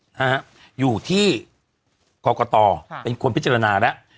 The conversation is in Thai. นะฮะอยู่ที่กรกตค่ะเป็นคนพิจารณาแล้ว